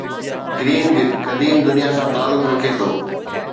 green گدھ قديم دنيا سان تعلق رکي ٿو